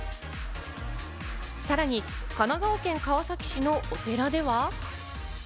さらに神奈川県川崎市のお寺では。